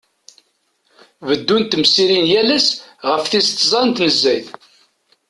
Beddunt temsirin yal ass ɣef tis tẓa n tnezzayt.